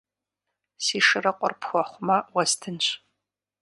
Си шырыкъур пхуэхъумэ, уэстынщ.